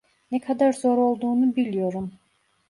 Ne kadar zor olduğunu biliyorum.